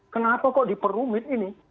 kenapa kok diperlumit ini